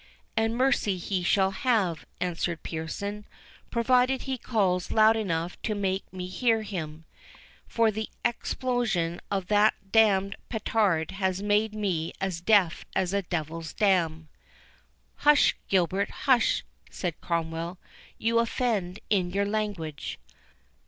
"And mercy he shall have," answered Pearson, "provided he calls loud enough to make me hear him; for the explosion of that damned petard has made me as deaf as the devil's dam." "Hush, Gilbert, hush!" said Cromwell; "you offend in your language."